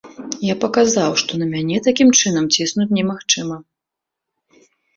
Я паказаў, што на мяне такім чынам ціснуць немагчыма.